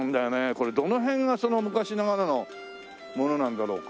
これどの辺がその昔ながらのものなんだろうか？